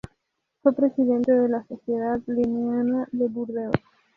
Fue presidente de la Sociedad linneana de Burdeos.